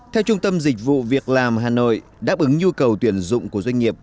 theo trung tâm dịch vụ việc làm hà nội đáp ứng nhu cầu tuyển dụng của doanh nghiệp